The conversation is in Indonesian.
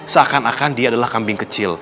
seakan akan dia adalah kambing kecil